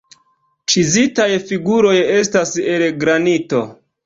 Ĉizitaj figuroj estas el granito.